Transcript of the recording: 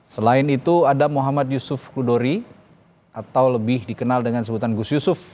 selain itu ada muhammad yusuf kudori atau lebih dikenal dengan sebutan gus yusuf